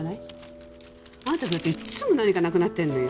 あなたが来るといっつも何かなくなってるのよ。